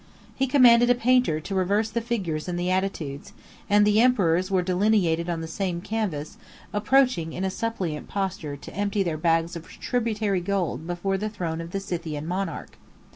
He commanded a painter to reverse the figures and the attitudes; and the emperors were delineated on the same canvas, approaching in a suppliant posture to empty their bags of tributary gold before the throne of the Scythian monarch.